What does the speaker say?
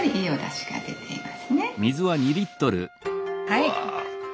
はい。